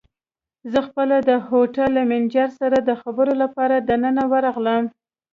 زه خپله د هوټل له مېنېجر سره د خبرو لپاره دننه ورغلم.